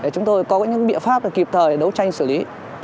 chúng tôi có những biện pháp để kịp thời đấu tranh xử lý